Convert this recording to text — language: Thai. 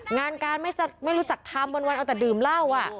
งานการไม่รู้จักทำบนเอาแต่ดื่มล่าวอ่ะ